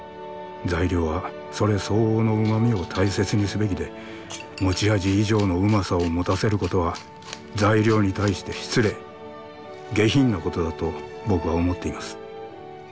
材料はそれ相応の旨みを大切にすべきで持ち味以上の旨さを持たせることは材料に対して失礼下品なことだと僕は思っています。